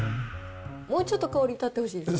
もうちょっと香り立ってほしいですね。